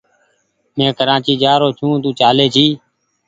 مينٚ ڪراچي جآرو ڇوٚنٚ تو چاليٚ جي